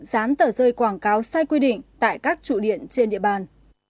dán tờ rơi quảng cáo sai quy định tại các trụ điện trên địa bàn